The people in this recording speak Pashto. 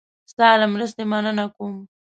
ستا له مرستې مننه کوم.